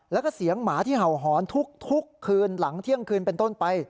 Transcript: แล้วก็เสียงหมาที่เห่าหอนทุกคืนหลังเที่ยงคืนเป็นต้นไป